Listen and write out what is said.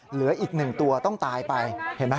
เหลืออีกหนึ่งตัวต้องตายไปเห็นไหม